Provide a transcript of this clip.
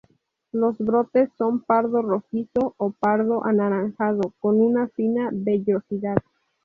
Los brotes son pardo rojizo a pardo anaranjado con una fina vellosidad.